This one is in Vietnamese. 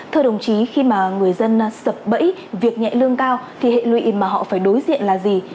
thưa đồng chí khi mà người dân sập bẫy việc nhẹ lương cao thì hệ lụy mà họ phải đối diện là gì